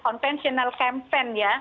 konvensional campaign ya